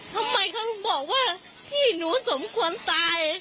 ทำไมเขาบอกว่าพี่หนูสมควรตาย